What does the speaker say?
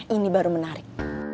ini baru menarik